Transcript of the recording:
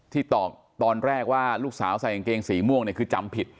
ตอนแรกว่าลูกสาวใส่กางเกงสีม่วงเนี่ยคือจำผิด